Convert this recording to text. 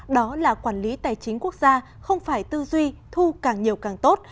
đó là quản lý tài chính quốc gia không phải tư duy thu càng nhiều càng tốt